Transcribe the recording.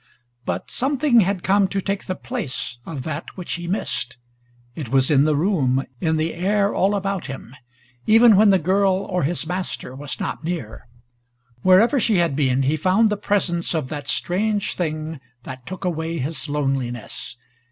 But something had come to take the place of that which he missed. It was in the room, in the air all about him, even when the girl or his master was not near. Wherever she had been, he found the presence of that strange thing that took away his loneliness.